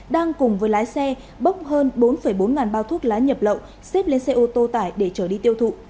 đang cùng với lái xe bốc hơn bốn bốn ngàn bao thuốc lá nhập lậu xếp lên xe ô tô tải để trở đi tiêu thụ